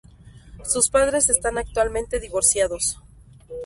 Sus padres están actualmente divorciados.